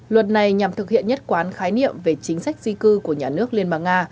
luật này nhằm thực hiện nhất quán khái niệm về chính sách di cư của nhà nước liên bang nga